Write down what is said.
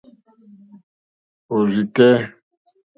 Òrzì kɛ́.